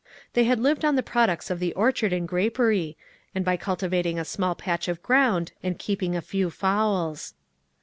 They had lived on the products of the orchard and grapery, and by cultivating a small patch of ground and keeping a few fowls.